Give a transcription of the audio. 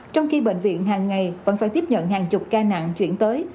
trong khi bệnh viện hàng ngày vẫn phải tiếp nhận hàng chục ca nặng chuyển tới